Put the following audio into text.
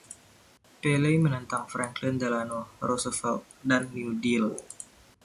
Pelley menentang Franklin Delano Roosevelt dan New Deal.